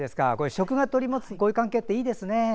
食が取り持つこういう関係っていいですね。